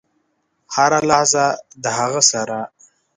هره لحظه د هغه سره .